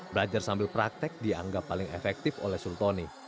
belajar sambil praktek dianggap paling efektif oleh sultoni